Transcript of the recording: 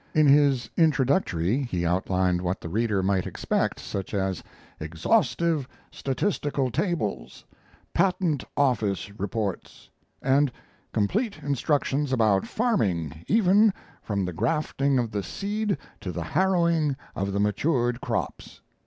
In his Introductory he outlined what the reader might expect, such as "exhaustive statistical tables," "Patent Office reports," and "complete instructions about farming, even from the grafting of the seed to the harrowing of the matured crops."